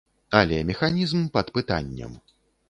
Але механізм пад пытаннем.